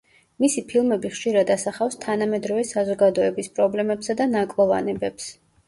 მისი ფილმები ხშირად ასახავს თანამედროვე საზოგადოების პრობლემებსა და ნაკლოვანებებს.